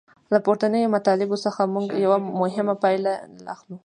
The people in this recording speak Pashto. له پورتنیو مطالبو څخه موږ یوه مهمه پایله اخلو.